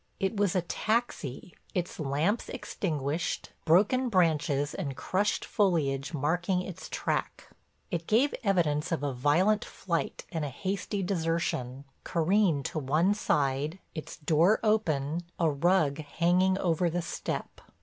It was a taxi, its lamps extinguished, broken branches and crushed foliage marking its track. It gave evidence of a violent flight and a hasty desertion, careened to one side, its door open, a rug hanging over the step.